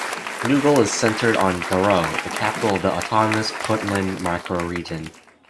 Nugal is centered on Garowe, the capital of the autonomous Puntland macro-region.